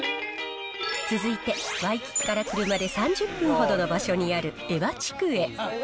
続いてワイキキから車で３０分ほどの場所にあるエヴァ地区へ。